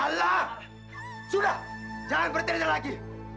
alah sudah jangan bertanya lagi